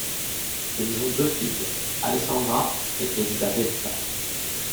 Ils ont deux filles, Alessandra et Elisabetta.